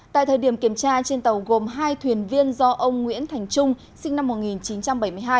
tại thời điểm kiểm tra trên tàu gồm hai thuyền viên do ông nguyễn thành trung sinh năm một nghìn chín trăm bảy mươi hai